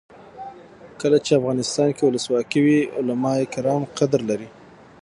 کله چې افغانستان کې ولسواکي وي علما کرام قدر لري.